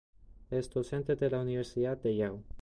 Es docente de la Universidad de Yale.